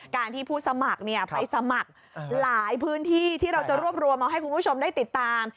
การที่ผู้สมัครไปสมัครหลายพื้นที่ที่เราจะรวบรวมมาให้คุณผู้ชมได้ติดตาม